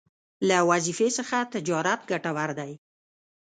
له وظيفې څخه تجارت ګټور دی